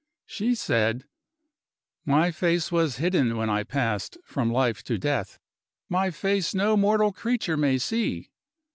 She said: 'My face was hidden when I passed from life to death; my face no mortal creature may see.